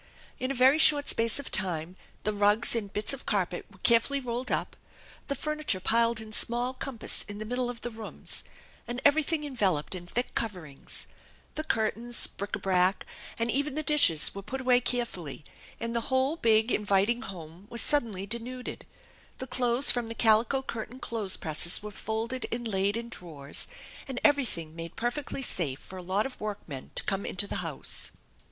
In a very short space of time the rugs and bits of carpet were carefully rolled up, the furniture piled in small compass in the middle of the rooms, and everything enveloped in thick coverings. The curtains, bric a brac, and even the dishes were put away carefully, and the whole big, inviting home was suddenly denuded. The clothes from the calico curtained clothes presses were folded and laid in drawers, and everything made perfectly safe for a lot of workmen to come into the house.